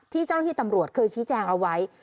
เจ้าหน้าที่ตำรวจเคยชี้แจงเอาไว้